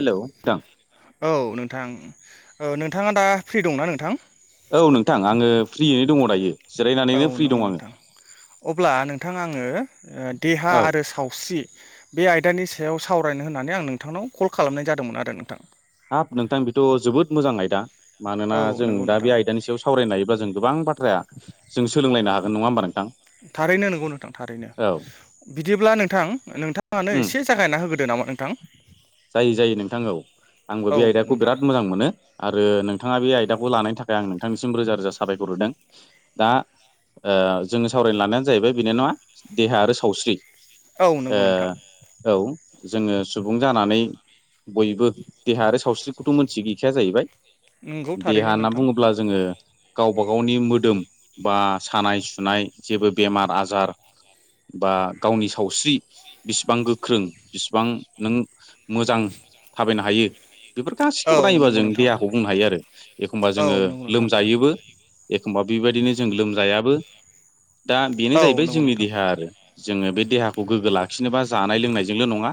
हेल' नोंथां औ नोंथां नोंथाङा दा फ्रि दंना नोंथां। औ नोंथां आङो फ्रियैनो दङ दायो। औ जिरायनानैनो फ्रि नंगौ दं आङो नोंथां अब्ला नोंथां आङो देहा औ आरो सावस्रि बे आयदानि सायाव सावरायनो होननानै आं नोंथांनाव कल खालामनाय जादोंमोन आरो नोंथां। हाब नोंथां बेथ' जोबोद मोजां आयदा मानोना औ जों नंगौ दा नोंथां बे आयदानि सायाव सावरायनो हायोब्ला जों गोबां बाथ्राया जों सोलोंलायनो हागोन नङा होमबा नोंथां थारैनो नंगौ नोंथां थारैनो औ बिदिब्ला नोंथां नोंथांङानो उम एसे जागायना होग्रोदो नामा नोंथां जायो जायो नोंथां ओव आंबो औ बे आयदाखौ नोंथां बिराद मोजां मोनो आरो नोंथांङा बे आयदाखौ लानायनि थाखाय आं नोंथांनिसिम रोजा रोजा साबायखर होदों दा जोंङो सावरायनो लानायानो जाहैबाय बेनो नंङा देहा आरो सावस्रि औ नंगौ नोंथां औ जोंङो सुबुं जानानै बयबो देहा सावस्रिखौथ मोनथि गैखाया जाहैबाय नंगौ देहा थारैनो होनना नोंथां बुङोब्ला जोंङो गावबा गावनि मोदोम बा सानाय सुनाय जेबो बेमार आजार बा गावनि सावस्रि बिसेबां गोख्रों बेसेबां नों मोजां थाबायनो हायो बेफोर औ गासिखौबो नायोबा नंगौ जों नोंथां देहाखौ बुंनो हायो आरो एखमबा औ जोंङो नंगौ नोंथां लोमजायोबो एखमबा बेबायदिनो जों लोमजायाबो दा बेनो औ जाहैबाय नंगौ जोंनि नोंथां देहा आरो जोंङो बे देहाखौ गोग्गो लाखिनोबा जानाय लोंनायजोंल नंङा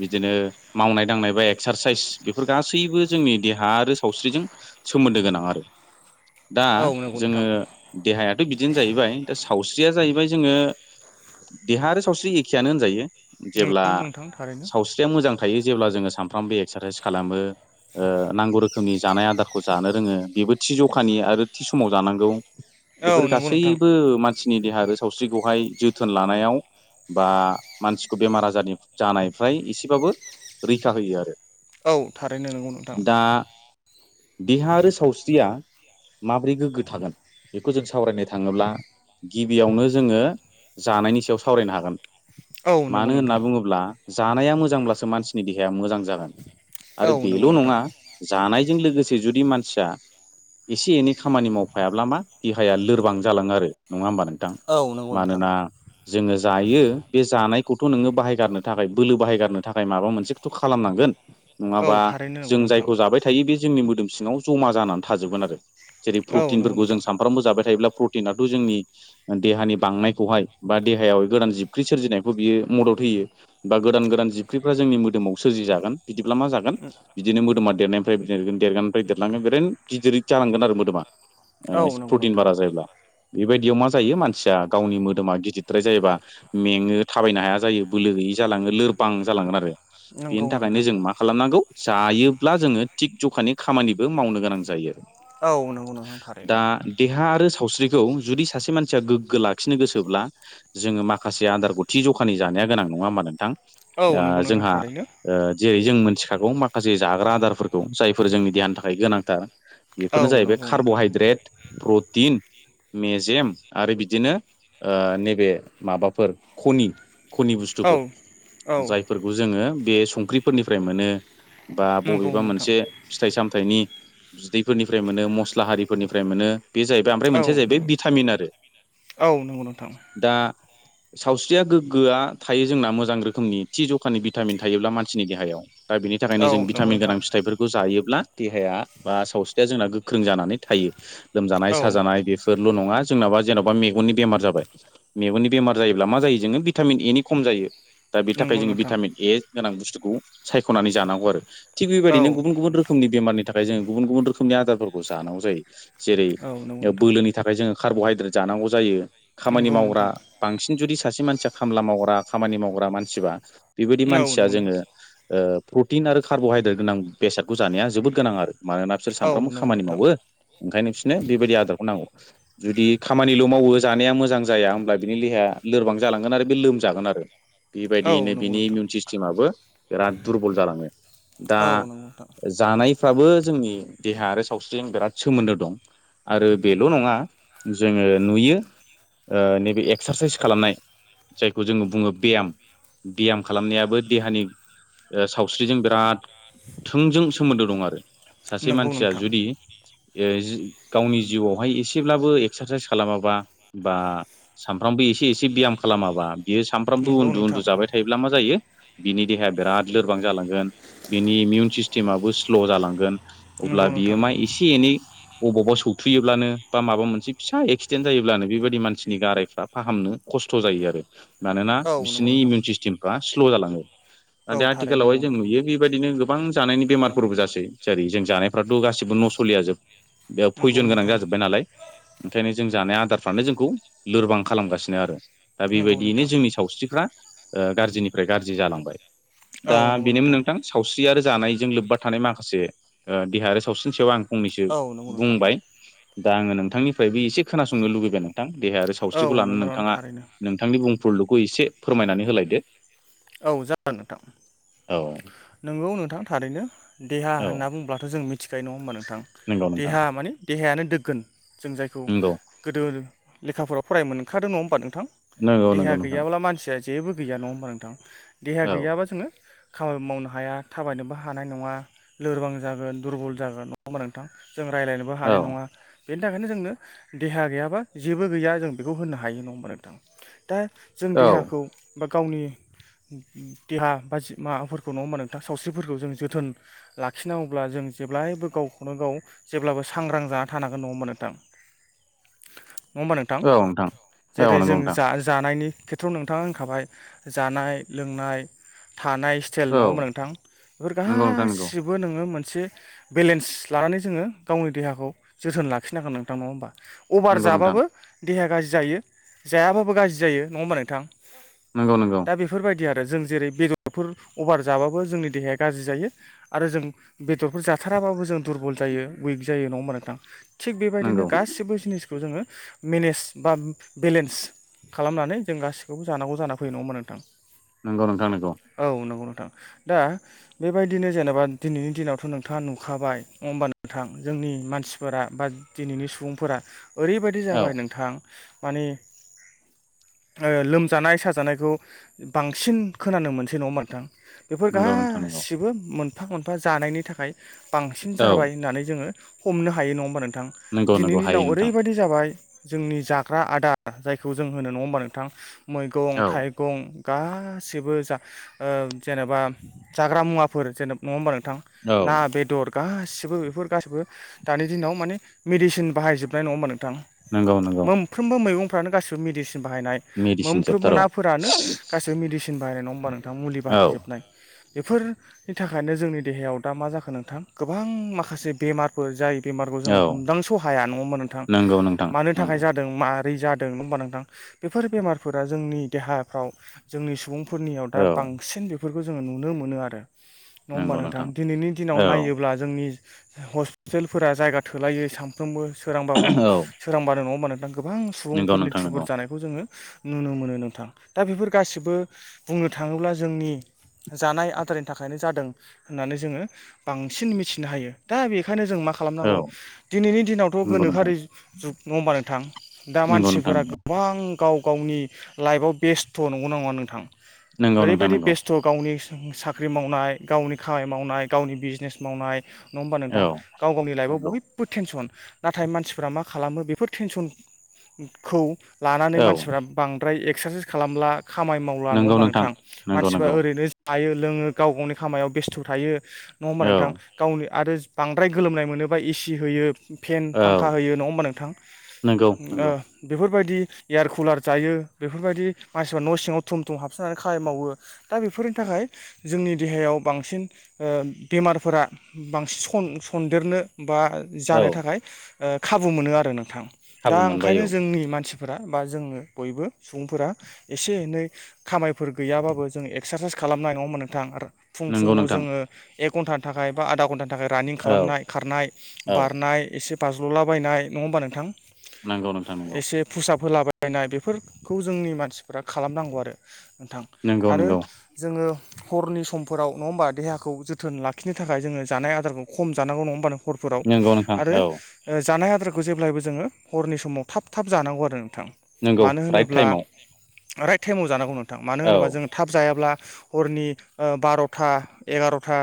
बिदिनो मावनाय दांनाय बा एक्सारसाइस बेफोर गासैबो जोंनि देहा आरो सावस्रिजों सोमोन्दो गोनां आरो दा औ नंगौ नोंथां जोङो देहायाथ बिदिनो जाहैबाय दा सावस्रिया जाहैबाय जोंङो देहा आरो सावस्रि एखेयानो होनजायो जेब्ला नोंगौ नोंथां थारैनो सावस्रिया मोजां थायो जेब्ला जोंङो सानफ्रामबो एक्सारसाइस खालामो नांगौ रोखोमनि जानाय आदारखौ जानो रोङो बेबो थि जखानि आरो थि समाव जानांगौ औ बेफोर नंगौ नोंथां गासैबो मानसि नि देहा आरो सावस्रिखौहाय जोथोन लानायाव बा मानसिखौ बेमार आजारनि जानाय फ्राय एसेबाबो रैखा होयो आरो औ थारैनो नंगौ नोंथां दा देहा आरो सावस्रिया माब्रै गोग्गो थागोन बेखौ जों सावरायनो थांङोब्ला गिबियावनो जोंङो जानायनि सायाव सावरायनो हागोन औ नंगौ मानो नोंथां होनना बुङोब्ला जानाया मोजांब्लासो मानसिनि देहाया मोजां जागोन आरो औ बेल नंगौ नोंथां। नंङा जानायजों लोगोसे जुदि मानसिया एसे एनै खामानि मावफायाब्ला मा देहाया लोरबां जालांङो आरो नंङा होमबा नों औ नंगौ नोंथां। मानोना जोंङो जायो बे जानायखौथ नोंङो बाहायगारनो थाखाय बोलो बाहायगारनो थाखाय माबा मोनसेथ खालामनांगोन औ नंङाबा थारैनो नंगौ जों नोंथां जायखौ जाबाय थायो बे जोंनि मोदोम सिङाव जमा जानानै थाजोबगोन आरो जेरै औ नंगौ प्रटिनफोरखौ जों नोंथां सानफ्रामबो जाबाय थायोब्ला प्रटिनाथ जोंनि देहानि बांनायखौहाय बा देहायाव गोदान जिबख्रि सोरजिनायखौ बियो मदद गोदान गोदान जिबख्रिफोर जोंनि मोदोमाव सोरजि जागोन बिदिब्ला मा जागोन बिदिनो मोदोमा देरनायनिफ्राय देरगोन देरगानिफ्राय देरलांगोन बेरनो गिदिर जालांगोन आरो मोदोमा औ नंगौ प्रटिन नोंथां बारा जायोब्ला बेबायदियाव मा जायो मानसिया गावनि मोदोमा गिदिरद्राय जायोबा मेंङो थाबायनो हाया जायो बोलो गैयै जालांङो लोरबां जलांगोन आरो नंगौ बेनि थाखायनो नोंथां। जों मा खालामनांगौ जायोब्ला जोंङो थिग जखानि खामानिबो मावनो गोनां जायो औ नंगौ नोंथां थारैनो दा देहा आरो सावस्रिखौ जुदि सासे मानसिया गोग्गो लाखिनो गोसोब्ला जोंङो माखासे आदारखौ थि जखानि जानो गोनां नंङा औ नंगौ नोथां नोंथां जोंहा थारैनो जेरै जों मिथिखागौ माखासे जाग्रा आदारफोरखौ खौ जायफोर जोंनि देहानि थाखाय गोनांथार औ बेफोरनो जाहैबाय नंगौ नोंथां कार्बहाइद्रेट प्रटिन मेजेम आरो बिदिनो नैबे माबाफोर खनि खनि औ बुस्थुफोर औ जायफोरखौ जोंङो बे संख्रिफोरनिफ्राय मोनो बा नंगौ बबेबा नोंथां मोनसे फिथाइ साम फाथाइनि बिदैफोरनिफ्राय मोनो मस्ला हारिफोरनिफ्राय मोनो बे जाहैबाय ओमफ्राय औ मोनसेया जाहैबाय नंगौ भिटामिन आरो औ नंगौ नोंथां दा सावस्रिया गोग्गोआ थायो जोंना मोजां रोखोमनि थि जखानि भिटामिन थायोब्ला मानसिनि देहायाव दा बेनि थाखायनो औ जों नंगौ भिटामिन नोंथां गोनां फिथाइफोरखौ जायो ब्ला देहाया बा सावस्रिया जोंना गोख्रों जानानै थायो। लोमजानाय औ साजानाय बेफोर ल' नङा जोंनाबा जेन'बा मेगननि बेमार जाबाय मेगननि बेमार जायोब्ला मा जायो जोङो भिटामिन एनि खम जायो। दा बेनि थाखाय नंगौ जोंङो नोंथां भिटामिन ए गोनां बुस्थुखौ सायख'नानै जानांगौ आरो। थिग बेबायदिनो औ गुबुन गुबुन नोंथां रोखोमनि बेमारनि थाखाय जोङो गुबुन गुबुन रोखोमनि आदारफोरखौ जानांगौ जायो। जेरै औ नंगौ नोंथां बोलोनि थाखाय जोङो कार्ब'हाइद्रेट जानांगौ जायो। खामानि नंगौ नोंथां मावग्रा बांसिन जुदि सासे मानसिया खामला मावग्रा खामानि मावग्रा मानसिबा बेबायदि औ मानसिया नंगौ जोङो नोंथां ओ प्रटिन आरो कार्ब'हाइद्रेट गोनां बेसादखौ जानाया जोबोद गोनां आरो। मानोना बिसोर औ नंगौ सानफ्रोमबो खामानि मावो नोंथां ओंखायनो बिसोरनो बेबायदि आदारखौ नांगौ। जुदि खामानिल' मावो जानाया मोजां जाया होमब्ला बिनि लेहाया लोरबां जालांगोन आरो बे लोमजागोन आरो। ओ बेबायदियैनो औ नंगौ बिनि नोंथां इमिउन सिस्टेमाबो बिराद दुरबल जालाङो दा औ जानायफ्राबो जोंनि देहा आरो सावस्रिजों बिराद सोमोन्दो दं। आरो बेल' नङा जोङो नुयो नैबे एक्सारसाइस खालामनाय जायखौ जोङो बुङो ब्याम। ब्याम खालामनायाबो देहानि सावस्रिजों बिराद थोंजों सोमोन्दो दं आरो सासे नंगौ मानसिया नोंथां जुदि ए जि गावनि जिउआवहाय एसेब्लाबो एक्सारसाइस खालामाबा बा सानफ्रामबो एसे एसे ब्याम खालामाबा बियो सानफ्रामबो नंगौ उन्दु नोंथां उन्दु जाबाय थायोब्ला मा जायो बिनि देहाया बिराद लोरबां जालांगोन बिनि इमिउन सिस्टेमाबो स्ल' जालांगोन नंगौ नोंथां नंगौ अब्ला नोंथां बियो मा एसे एनै अबावबा सौथुयोब्लानो बा माबा मोनसे फिसा एक्सिडेन्ट जायोब्लानो बेबायदि मानसिनि गारायफ्रा फाहामनो खस्थ' जायो आरो। मानोना औ नंगौ बिसिोरनि नोंथां इमिउन सिस्टेमफ्रा स्ल' जालाङो। औ नाथाय थारैनो आथिखालावहाय जों नंगौ नुयो बेबायदिनो गोबां जानायनि बेमारफोरबो जासै जेरै जों जानायफ्राथ' गासिबो न' सलिया जोब बेयाव नंगौ पयजन गोनां नोंथां जाजोब्बाय नालाय ओंखायनो जों जानाय आदारफ्रानो जोंखौ लोरबां खालामगासिनो आरो दा नंगौ बेबायदियैनो नोंथां जोंनि सावस्रिफ्रा गाज्रिनिफ्राय गाज्रि जालांबाय औ दा नंगौ बेनोमोन नोंथां सावस्रि आरो जानायजों लोब्बा थानाय माखासे ओ देहा आरो सावस्रि सायाव आं फंनैसो औ नंगौ नोंथां बुंबाय दा आङो नोंथांनिफ्रायबो एसे खोनासंनो लुबैबाय नोंथां। देहायारि औ सावस्रिखौ लानानै नंगौ नोंथां नोंथाङा थारैनो नोंथांनि बुंफोरलुखौ एसे फोरमायनानै होलायदो औ जागोन नोंथां। औ नोंगौ नोंथां थारैनो देहा औ होनना बुंब्लाथ' जों मिथि थिखायो नङा होमबा नोंथां नंगौ नोंथां देहा मानि देहायानो दोगगोन जों जायखौ नंगौ गोदोनो लेखाफोराव फराय मोनखादों नङा होमबा नोंथां नंगौ देहााया नंगौ नोंथां गैयाब्ला मानसिया जेबो गैया नङा होमबा नोंथां। देहा औ गैयाबा जोङो खामानि मावनो हाया थाबायनोबो हानाय नङा लोरबां जागोन दुरबल जागोन नङा होमबा नोंथां। जों रायज्लायनोबो औ हानाय नङा। बेनि थाखायनो जोंनो देहा गैयाबा जेबो गैया जों बेखौ होननो हायो नङा होमबा नोंथां। दा जों औ देहाखौ बा गावनि देहा बा माबाफोरखौ नङाोम नोंथां सावस्रिफोरखौ जों जोथोन लाखिनांगौब्ला जों जेब्लायबो गावखौनो गाव जेब्लाबो सांग्रां जाना थानांगोन न'आ होनबा नोंथां। नङा होमबा नोंथां, औ औ जेरै नंगौ जों नोंथां जा जानायनि नोंथाङा होनखाबाय जानाय, लोंनाय थानाय स्टाइल औ नङमोन नोंथां बेफोर नंगौ नोंथां नंगौ गासिबो नोङो मोनसे मोनसे बेलेन्स लानानै जोङो गावनि देहाखौ जोथोन लाखिनांगोन नोंथां नङा होमबा अभार नंगौ नोंथां जाबाबो देहाया गाज्रि जायो जायाबाबो गाज्रि जायो नङा होमबा नोंथां। नंगौ नंगौ बिदि आरो जों जेरै बेदरफोर अभार जाबाबो जोंनि देहाया गाज्रि जायो आरो जों बेदरफोर जाबा जाथाराबो जों दुरबल जायो उइक जायो नङा होमबा नोंथां थिग बेबायदिनो नंगौ गासिबो जिनिसखौ जोङो मेनेज बा बेलेन्स खालामनानै जों गासिखौबो जानांगौ जाना फैयो नङाोन नोंथां नंगौ नोंथां नंगौ औ नंगौ दा बेबायदिनो जेनेबा दिनैनि दिनावथ' नोंथाङा नुखाबाय होमबा नोंथां जों नि मानसिफोरा बा दिनैनि सुबुंफोरा ओरैबायदि औ जाबाय नोंथां माने ओ लोमजानाय साजानायखौ बांसिन खोनानो मोनसै नङा नोंथां बेफोर नंगौ नोंथां नंगौ गासिबो मोनफा मोनफा जानायनि थाखाय बांसिन औ जाबाय होननानै जोङो हमनो हायो नङा होमबानों नोंथां नंगौ नंगौ दिनैनि हायो दिनाव नोंथां ओरैबायदि जाबाय जोंनि जाग्रा आदार जायखौ जों होनो नङा होमबा नोंथां औ मैगं-थाइगं गासिबो जा ओ जेनेबा जाग्रा मुवाफोर जेनेबा नङा म'म नोंथां औ ना बेदर गासिबो बेफोर गाैबो दानि दिनाव माने मेडिसिन बाहायजोबनाय नङा होमबा नों थां नंगौ नंगौ मोनफ्रोमबो मैगंफ्रानो गासिबो मेडिसिन बाहायनाय मेडिसिन मोनफ्रोम जोबथार' औ मोनाफोरानो गासैबो मेडिसिन बाहायनाय नङा होमबा नों थां मुलि बाहायजोबनाय बेफोरनि थाखायनो जोंनि देहायाव दा मा जाखो नोंथां गोबां माखासे बेमारफोर जाय बेमारखौ जोङो औ हमदां स हाया नङा होनबा नोंथां नंगौ नोंथां मानि थाखाय नंगौ जादों मा ब्रै जादों नङा होनबा नांथां बेफोर बेमारफोरा जोंनि देहाफ्राव जोंनि सुबुं फोरनियाव दा औ बांसिन बेफोरखौ जोङो नुनो मोनो आरो नङा होमबा नोंथां दिनैनि दिनाव औ नायोब्ला जोंनि हस्पिटेलफोरा जायगा थोलायो सानफ्रोमबो सोरांबाबो औ सोरांबानो नङा होनबा नोंथां गोबां नंगौ सुबुंफोरनि नोंथां थुबुर नंगौ जानायखौ जोङो नुनो मोनो नोंथां दा बेफोर गासिबो बुंनो थाङोब्ला जोंनि जानाय आदारनि थाखायनो जादों होननानै जोङो बांसिन मिथिनो हायो दा बे ओंखायनो जों मा औ खालामनांगौ दिनैनि दिनावथ' नंगौ नोंथां गोनोखोआरि जुग नङा होमबा नोंथां दा नंगौ नोंथां मानसिफोर फोर नंगौ गोबां गाव गावनि लाइफआव बेस्थ' नंगौ ना नङा नोंथां नंगौ नोंथां ओरैबायदि नंगौ बेस्थ' गावनि साख्रि मावनाय गावनि खामानि मावनाय गावनि बिजनेस मावनाय नङा होमबा औ नोंथां गाव गावनि लाइफआव नंगौ बयबो टेनसन नाथाय मानसिफ्रा मा खालामो बेफोर टेनसनखौ लानानै औ मानसिफ्रा बां द्राय एक्सारसाइस खालामला खामानि मावला नङा नंगौ होमबा नोंथां नंगौ मानसिफ्रा नंगौ ओरैनो थायो लोङो गाव गावनि खामायाव बेस्थ' थायो नङा होमबा औ नोंथां गावनि आरो बांद्राय गोलोमनाय मोनोबा एसि होयो फेन फांखा औ होयो नङा होमबा नोंथां ओ नंगौ नंगौ बेफोर बेफोरबायदि एयार कुलार जायो बेफोरबायदि मानसिफ्रा न' सिङाव थुम थुम हाबसनोनानै खाय मावो दा बेफोरनि थाखाय जोंनि देहायाव बांसिन ओ बेमारफोरा बांसिन सनदेरनो बा औ जानो थाखाय ओ खाबु मोनो आरो नोंथां दा खाबु मोनबाय ओंखायनो औ जोंनि मानसि फोरा बा जोंङो बयबो सुबुंफोरा एसे एनै खामायफोर गैयाबाबो जों एक्सारसाइस खालामनाय नङा होमबा नोंथां आरो फुं नंगौ फुङाव नोंथां जोङो एक घन्टानि थाखाय बा आधा घन्टानि थाखाय थाखाय रानिं औ खालामनाय खारनाय औ बारनाय एसे बाज्ल'लाबायनाय नङा होमबा नोंथां नंगौ नोंथां नगौ बोलाबायनाय बेफोरखौ जोंनि मानसिफ्रा खालामनांगौ आरो नोंथां नंगौ आरो नंगौ जोङो हरनि समफोराव नङा होमबा देहाखौ जोथोन लाखिनो थाखाय जोङो जानाय आदारखौ खम जानांगौ नङा होनबा नोंथां हरफोराव नंगौ नोंथां आरो औ जानाय आदारखौ जेब्लायबो जोङो हरनि समाव थाब थाब जानांगौ आरो नोंथां नंगौ मानो राइट होनोब्ला टाइमाव राइट टाइमाव जानांगौ नोंथां मानो औ होनोब्ला जोंङ थाब जायाब्ला हरनि बार'था एगार'था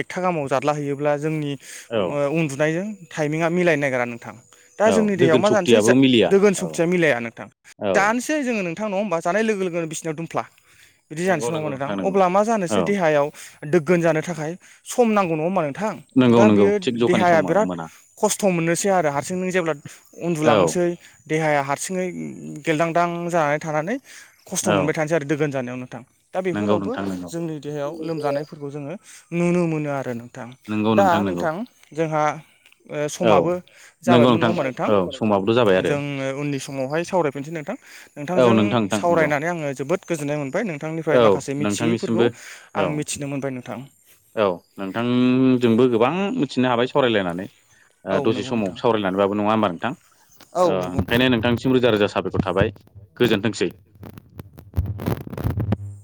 एकथा गामाव जादला हैयोब्ला जोंनि औ उन्दुनायजों थटाइमिंआ मिलायनो नागिरा नोंथां। दा औ जोंनि दैहायाव दोगोन मा जानोसै सक्तियाबो मिलिया दोगोन औ सक्तिया मिलाया नोंथां औ जानोसै जोङो नोंथां। थां नङा होमबा जानाय लोगो लोगोनो बिसिनिाव दुमफ्ला बिदि जानोसै नंगौ नङा नंगौ नोंथां नंगौ अब्ला मा जानोसै औ देहायाव दोगोन जानो थाखाय सम नांगौ नङा होमबा नों नंगौ दा नंगौ बियो थिग जखानि देहाया समाव बिराद मोना खस्थ' मोननोसै आरो हारसिंनो जेब्ला औ उन्दुलांनोसो सै देहाया हारसिङै गेलदांदां जानानै थानानै खस्थ' औ मोनबाय थानोसै आरो दोगोन जानायाव नोंथां। दा नंगौ बेफोरावबो नोंथां नंगौ जोंनि देहायाव लोमजानायफोरखौ जोङो नुनो मोनो आरो नों नोंथां नंगौ दा नंगौ नोंथां जोंहा औ समाबो नंगौ जाबायमोन नङा नोंथां होमबा औ समाबोथ' जाबाय नोंथां। आरो जोङो उननि समावहाय सावरायफिनसै नोंथां औ नोंथांजों नोंथां नोंथां नंगौ सावरायनानै आङो जोब ोबोद गोजोननाय मोनबाय औ नोंथांनिफ्राय माखासे मिथियैफोरखौ नोंथांनिसिमबो आं औ मिथिनो मोनबाय नोंथां। औ नोंथांजोंबो गोबां मिथिनो हाबाय सावरायलायनानै औ दसे नंगौ समाव नोंथां सावरायनानैबाबो नङा होमबा नोंथां। औ नंगौ ओंखायनो नोंथांसिम रोजा रोजा साबायखर थाबाय गोजोनथोंसै। [unintelligible]